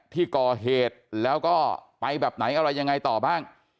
ที่ก่อเหตุแล้วก็ไปแบบไหนอะไรยังไงต่อบ้าง